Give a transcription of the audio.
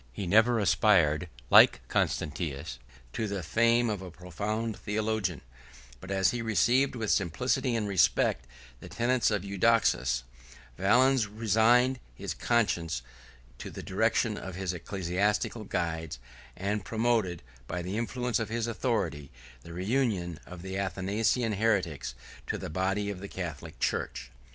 He never aspired, like Constantius, to the fame of a profound theologian; but as he had received with simplicity and respect the tenets of Euxodus, Valens resigned his conscience to the direction of his ecclesiastical guides, and promoted, by the influence of his authority, the reunion of the Athanasian heretics to the body of the Catholic church.